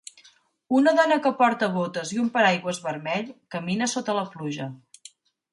Una dona que porta botes i un paraigües vermell, camina sota la pluja.